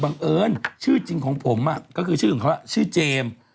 บังเอิญชื่อจริงของผมก็คือชื่อของเขาชื่อเจมส์